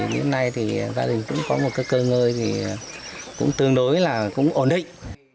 đến nay gia đình cũng có một cơ ngơi tương đối ổn định